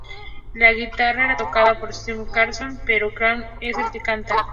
La guitarra era tocada por Steve Carlson, pero Kane es el que canta.